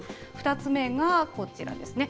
２つ目がこちらですね。